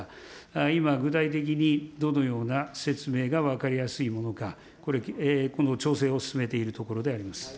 今、具体的にどのような説明が分かりやすいものか、これ、この調整を進めているところであります。